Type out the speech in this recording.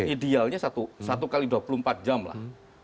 idealnya satu x dua puluh empat jam lah